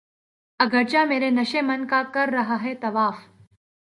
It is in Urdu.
اگرچہ میرے نشیمن کا کر رہا ہے طواف